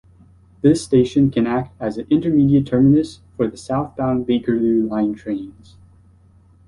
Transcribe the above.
This station can act as an intermediate terminus for southbound Bakerloo line trains.